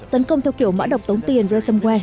tấn công theo kiểu mã độc tống tiền resumway